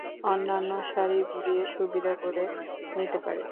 অন্যান্য সারি ঘুরিয়ে সুবিধা করে নিতে পারে।